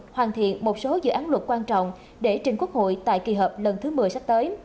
hoàn thiện một số dự án luật quan trọng để trình quốc hội tại kỳ họp lần thứ một mươi sắp tới